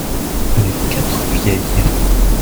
Les quatre vieilles.